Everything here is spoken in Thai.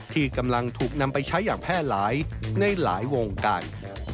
ที่กำลังถูกนำไปใช้อย่างแพร่หลายในหลายวงการ